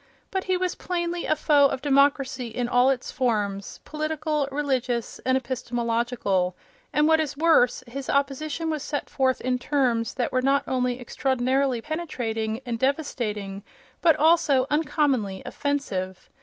But he was plainly a foe of democracy in all its forms, political, religious and epistemological, and what is worse, his opposition was set forth in terms that were not only extraordinarily penetrating and devastating, but also uncommonly offensive.